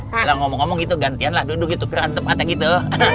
mir kalau ngomong ngomong gitu gantianlah duduk gitu keran depannya gitu